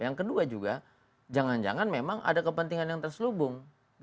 yang kedua juga jangan jangan memang ada kepentingan yang terselubung